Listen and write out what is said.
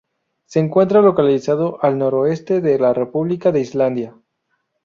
Se encuentra localizado al noroeste de la República de Islandia.